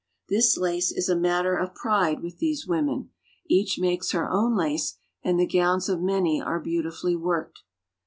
This lace is a matter of pride with these women. Each makes her own laCe, and the gowns of many are beautifully worked.